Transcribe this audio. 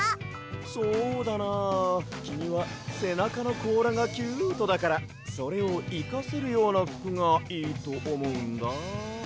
そうだなきみはせなかのこうらがキュートだからそれをいかせるようなふくがいいとおもうんだ。